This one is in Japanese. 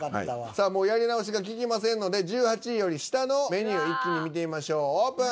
さあもうやり直しがききませんので１８位より下のメニューを一気に見てみましょうオープン。